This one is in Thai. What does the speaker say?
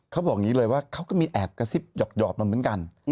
เขาบอกอย่างนี้เลยว่าเขาก็มีแอบกระซิบหยอกมาเหมือนกัน